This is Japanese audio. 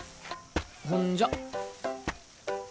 ほんじゃ。